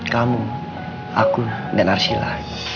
kamu aku dan arsila